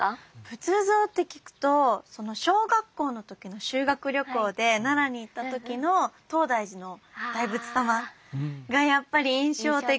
仏像って聞くと小学校の時の修学旅行で奈良に行った時の東大寺の大仏様がやっぱり印象的。